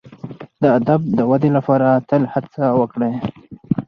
د ادب د ودي لپاره تل هڅه وکړئ.